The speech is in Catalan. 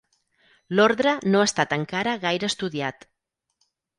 L'ordre no ha estat encara gaire estudiat.